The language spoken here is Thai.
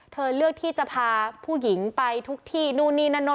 เลือกที่จะพาผู้หญิงไปทุกที่นู่นนี่นั่นโน่น